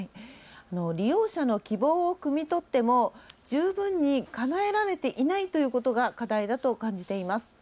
利用者の希望をくみ取っても十分にかなえられていないということが課題だと感じています。